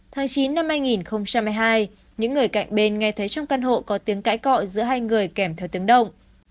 tháng chín năm hai nghìn hai mươi hai những người cạnh bên nghe thấy trong căn hộ có tiếng cãi cọi giữa hai người kèm theo tiếng động